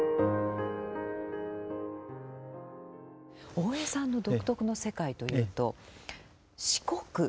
大江さんの独特の世界というと四国。